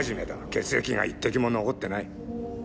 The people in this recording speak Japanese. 血液が一滴も残ってない。